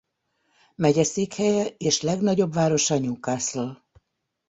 Megyeszékhelye és legnagyobb városa Newcastle.